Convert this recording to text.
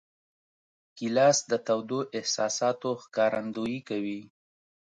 ګیلاس د تودو احساساتو ښکارندویي کوي.